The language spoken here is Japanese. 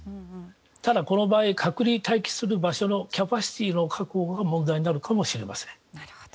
ただ、この場合隔離待機する場所のキャパシティーの確保が問題になるかもしれません。